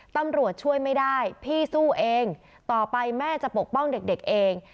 ตำรวจช่วยไม่ได้พี่สู้เองต่อไปแม่จะปกป้องเด็กเอง